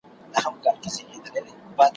د زمري په اندېښنې وو پوهېدلی ,